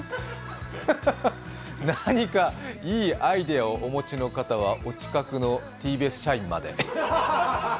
何か、いいアイデアをお持ちの方はお近くのＴＢＳ社員まで。